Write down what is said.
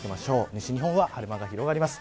西日本は晴れ間が広がります。